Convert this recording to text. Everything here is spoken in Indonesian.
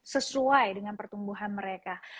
sesuai dengan pertumbuhan mereka